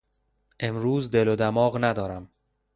امروز دل ودماغ ندارم.